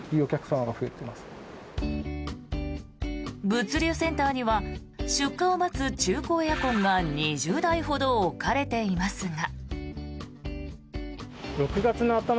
物流センターには出荷を待つ中古エアコンが２０台ほど置かれていますが。